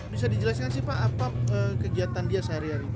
bisa dijelaskan sih pak apa kegiatan dia sehari hari